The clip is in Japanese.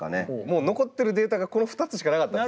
もう残ってるデータがこの２つしかなかったんです。